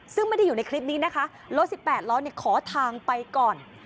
ซึ่งไม่ได้อยู่ในคลิปนี้นะคะรถสิบแปดล้อขอทางไปก่อน